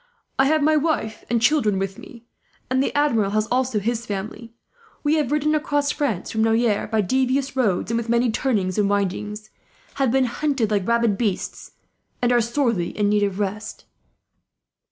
I have my wife and children with me, and the Admiral has also his family. We have ridden across France, from Noyers, by devious roads and with many turnings and windings; have been hunted like rabid beasts, and are sorely in need of rest."